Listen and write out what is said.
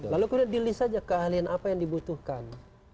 lalu kemudian di list saja keahlian apa yang dibutuhkan